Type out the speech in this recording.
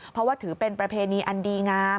เพราะว่าถือเป็นประเพณีอันดีงาม